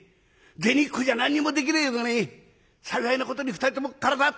銭っこじゃ何にもできねえけどね幸いなことに２人とも体は達者です。